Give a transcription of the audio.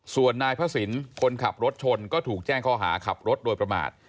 ส่วนนายพระศิลป์คนขับรถชนก็ถูกแจ้งข้อหาขับรถโดยประมาท